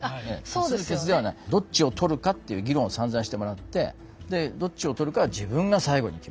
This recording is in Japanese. どっちを取るかっていう議論をさんざんしてもらってどっちを取るかは自分が最後に決めるんだと。